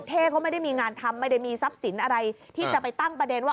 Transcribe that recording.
เท่เขาไม่ได้มีงานทำไม่ได้มีทรัพย์สินอะไรที่จะไปตั้งประเด็นว่า